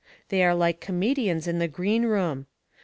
They are like comedians in the greenroom.